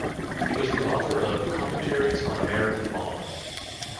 He was the author of "Commentaries on American Law".